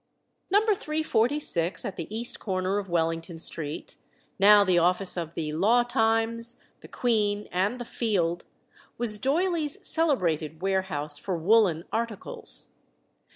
No. 346, at the east corner of Wellington Street, now the office of the Law Times, the Queen, and the Field, was Doyley's celebrated warehouse for woollen articles.